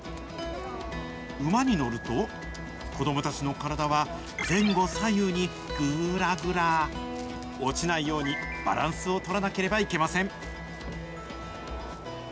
馬に乗ると、子どもたちの体は、前後左右にぐーらぐら。落ちないようにバランスを取らなければいけません。